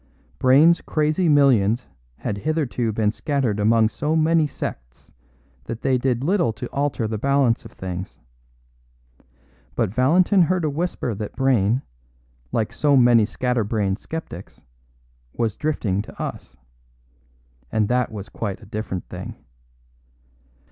Brayne's crazy millions had hitherto been scattered among so many sects that they did little to alter the balance of things. But Valentin heard a whisper that Brayne, like so many scatter brained sceptics, was drifting to us; and that was quite a different thing.